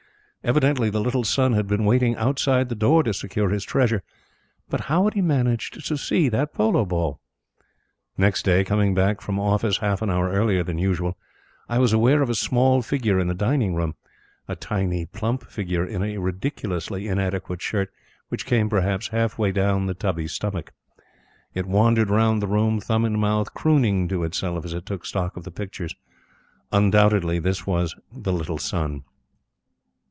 Evidently the little son had been waiting outside the door to secure his treasure. But how had he managed to see that polo ball? Next day, coming back from office half an hour earlier than usual, I was aware of a small figure in the dining room a tiny, plump figure in a ridiculously inadequate shirt which came, perhaps, half way down the tubby stomach. It wandered round the room, thumb in mouth, crooning to itself as it took stock of the pictures. Undoubtedly this was the "little son."